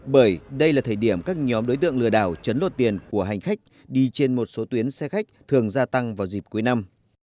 bởi đây là thời điểm các nhóm đối tượng lừa đảo chấn lột tiền của hành khách đi trên một số tuyến xe khách thường gia tăng vào dịp cuối năm